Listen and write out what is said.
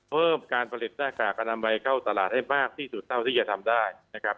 เพิ่มการผลิตหน้ากากการอำไหมเข้าตลาดให้มากที่สุดเท่าที่จะทำได้